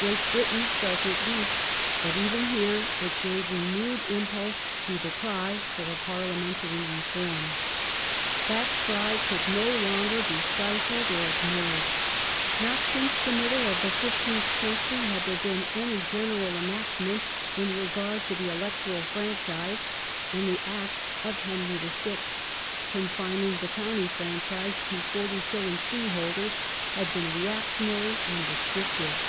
^ Great Britain felt it least, but even here it gave renewed impulse to the cry for parliamentary reform. That cry could no longer be stifled or ignored. Not since the Distribu middle of the fifteenth century had there been any general enact ^^"°^ ment in regard to the electoral franchise, and the Act of Henry VI., confining the county franchise to 40s. freeholders, had been re actionary and restrictive.